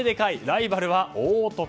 ライバルは大男。